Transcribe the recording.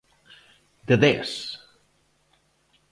De dez.